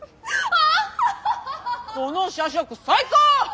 この社食最高！